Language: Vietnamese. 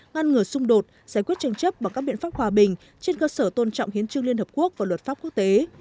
ngăn ngừa xung đột giải quyết tranh chấp bằng các biện pháp hòa bình trên cơ sở tôn trọng hiến trương liên hợp quốc và luật pháp quốc tế